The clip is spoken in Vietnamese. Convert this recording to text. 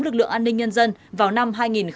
lực lượng an ninh nhân dân vào năm hai nghìn hai mươi